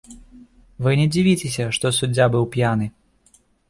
Вы не дзівіцеся, што суддзя быў п'яны.